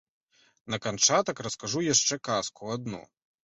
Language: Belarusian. На канчатак раскажу яшчэ казку адну.